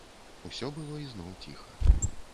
Усё было ізноў ціха.